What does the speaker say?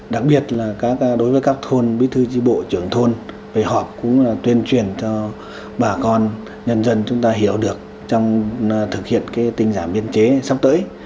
đặc biệt là đối với các thôn bí thư tri bộ trưởng thôn về họp cũng là tuyên truyền cho bà con nhân dân chúng ta hiểu được trong thực hiện tinh giảm biên chế sắp tới